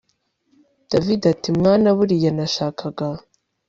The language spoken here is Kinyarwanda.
david ati mwana buriya nashakaga